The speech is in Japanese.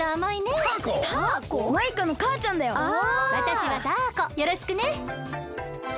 わたしはタアコよろしくね。